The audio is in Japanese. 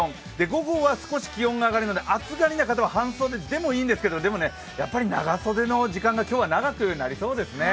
午後は少し気温が上がるので、暑がりの方は半袖でもいいんですけどでもやっぱり長袖の時間が今日は長くなりそうですね。